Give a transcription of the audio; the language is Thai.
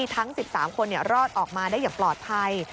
ทั้ง๑๓คนรอดออกมาได้อย่างปลอดภัย